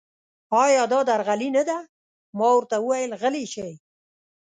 ایا دا درغلي نه ده؟ ما ورته وویل: غلي شئ.